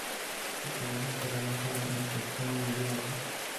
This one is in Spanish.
Acabó su carrera jugando en Japón y en Líbano.